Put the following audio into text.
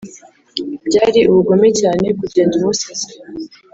byari ubugome cyane kugenda umusize